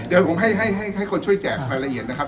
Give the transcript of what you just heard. เดี๋ยวผมให้คนช่วยแจกรายละเอียดนะครับ